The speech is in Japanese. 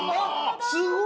すごい！